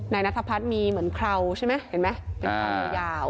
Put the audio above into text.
นายนัทพัฒน์มีเหมือนเคราใช่ไหมเห็นไหมเป็นความยาว